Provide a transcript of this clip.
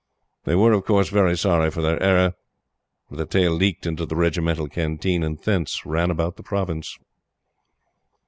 They were, of course, very sorry for their error. But the tale leaked into the regimental canteen, and thence ran about the Province.